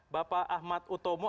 bapak ahmad utomo